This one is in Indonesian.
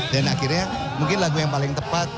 dan akhirnya mungkin lagu yang paling tepat